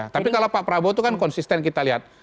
tapi kalau pak prabowo itu kan konsisten kita lihat